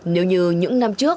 nếu như những năm trước